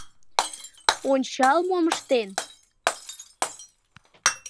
— Ончал, мом ыштен!